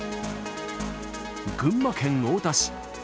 群馬県太田市。